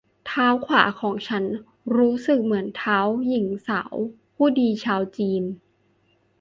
เท้าขวาของฉันรู้สึกเหมือนเท้าของหญิงสาวผู้ดีชาวจีน